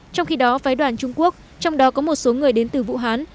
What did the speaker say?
trong khi đó phái đoàn trung quốc trong đó có một số người đến từ vũ hán